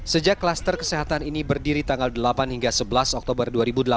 sejak kluster kesehatan ini berdiri tanggal delapan hingga sebelas oktober dua ribu delapan belas